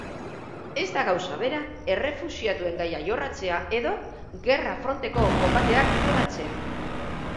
Ez da gauza bera errefuxiatuen gaia jorratzea edo gerra-fronteko konbateak jorratzea.